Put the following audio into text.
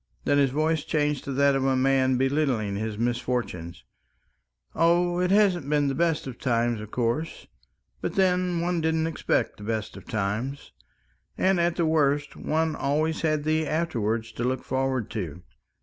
Then his voice changed to that of a man belittling his misfortunes. "Oh, it hasn't been the best of times, of course. But then one didn't expect the best of times. And at the worst, one had always the afterwards to look forward to